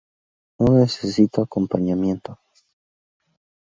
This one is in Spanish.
No necesitó acompañamiento.